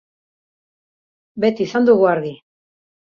Beti izan dugu argi.